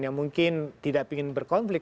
yang mungkin tidak ingin berkonflik